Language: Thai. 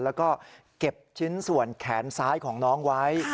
แล้วก็เก็บชิ้นส่วนแขนซ้ายของน้องไว้